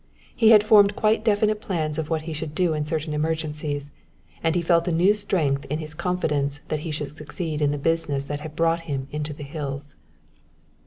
He had formed quite definite plans of what he should do in certain emergencies, and he felt a new strength in his confidence that he should succeed in the business that had brought him into the hills.